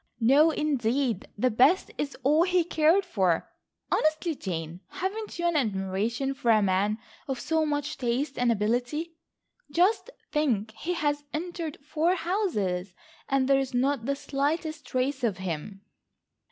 "No, indeed, the best is all he cared for. Honestly, Jane, haven't you an admiration for a man of so much taste and ability? Just think, he has entered four houses and there is not the slightest trace of him."